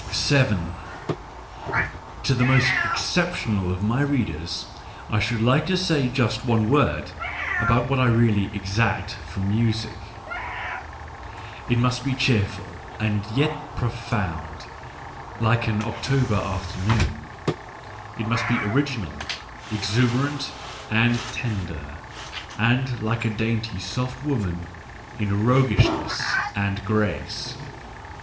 To the most exceptional of my readers I should like to say just one word about what I really exact from music. £lt must be cheerful and yet profound, like an October afternoon. ) It must be original, exuberant, and tender, and like a dainty, soft woman in roguishness and grace.